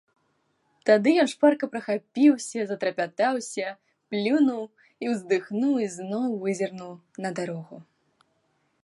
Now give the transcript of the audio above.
Тады ён шпарка прахапіўся, затрапятаўся, плюнуў і ўздыхнуў і зноў вызірнуў на дарогу.